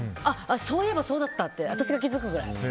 そういえばそうだったって私が気づくぐらい。